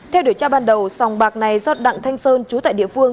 theo điều tra ban đầu sòng bạc này do đặng thanh sơn trú tại địa phương